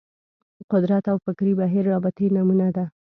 قدرت او فکري بهیر رابطې نمونه ده